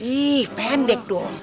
ih pendek dong